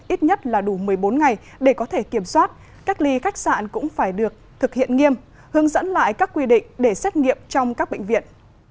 ít nhất là đủ một mươi bốn ngày để có thể kiểm soát cách ly khách sạn cũng phải được thực hiện nghiêm hướng dẫn lại các quy định để xét nghiệm trong các bệnh viện